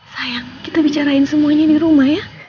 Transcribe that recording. sayang kita bicarain semuanya di rumah ya